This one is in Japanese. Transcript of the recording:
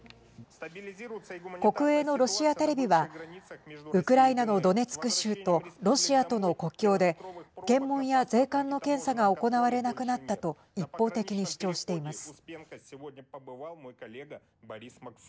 国営のロシアテレビはウクライナのドネツク州とロシアとの国境で検問や税関の検査が行われなくなったと一方的に主張しています。